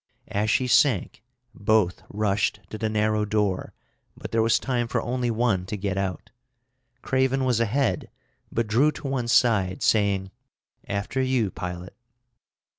As she sank, both rushed to the narrow door, but there was time for only one to get out. Craven was ahead, but drew to one side, saying, "After you, pilot."